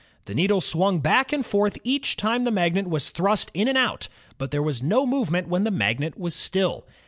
The needle swung back and forth each time the magnet was thrust in and out, but there was no movement when the magnet was still.